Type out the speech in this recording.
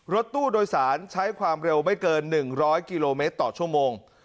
รถตู้โดยสารใช้ความเร็วไม่เกิน๑๐๐กิโลเมตรต่อชั่วโมง